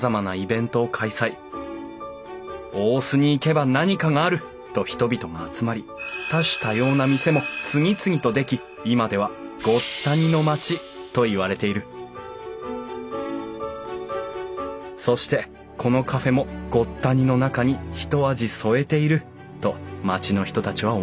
大須に行けば何かがあると人々が集まり多種多様な店も次々と出来今ではごった煮の町といわれているそしてこのカフェもごった煮の中にひと味添えていると町の人たちは思っている